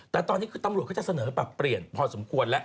แต่ตอนนี้คือตำรวจเขาจะเสนอปรับเปลี่ยนพอสมควรแล้ว